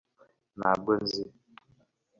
ntabwo nzi